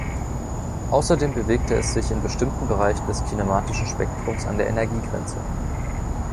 Außerdem bewegte es sich in bestimmten Bereichen des kinematischen Spektrums an der Energiegrenze.